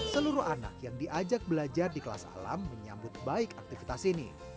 seluruh anak yang diajak belajar di kelas alam menyambut baik aktivitas ini